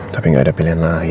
tapi gak ada pilihan lain